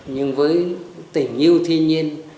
nhưng với tình yêu thiên nhiên